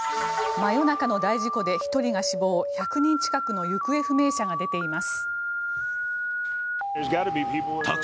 真夜中の大事故で１人が死亡１００人近くの行方不明者が出ています。